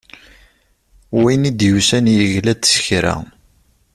Win i d-yusan yegla-d s kra.